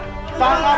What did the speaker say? harimau dan mardian